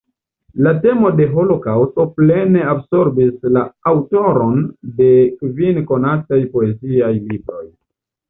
La temo de holokaŭsto plene absorbis la aŭtoron de kvin konataj poeziaj libroj.